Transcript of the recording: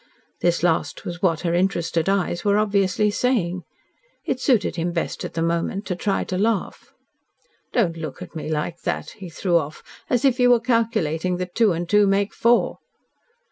This last was what her interested eyes were obviously saying. It suited him best at the moment to try to laugh. "Don't look at me like that," he threw off. "As if you were calculating that two and two make four."